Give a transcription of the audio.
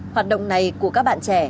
hoạt động này của các bạn trẻ